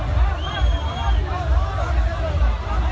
มันอาจจะไม่เอาเห็น